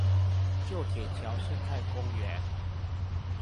舊鐵橋生態公園